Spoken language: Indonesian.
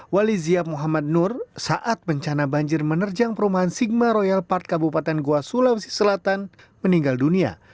walizia muhammad nur saat bencana banjir menerjang perumahan sigma royal park kabupaten goa sulawesi selatan meninggal dunia